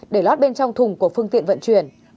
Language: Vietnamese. để lát bên trong thùng của phương tiện vận chuyển